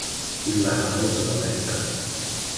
Illa ha multe moneta.